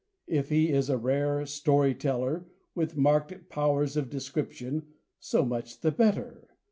If he is a rare story teller, with marked powers of description, so much the better.